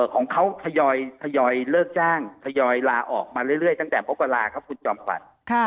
ของเขาทยอยเลิกจ้างทยอยลาออกมาเรื่อยตั้งแต่มกราครับคุณจอมขวัญ